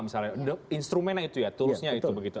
misalnya instrumennya itu ya toolsnya itu begitu